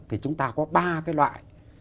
thì chúng ta có ba cái loại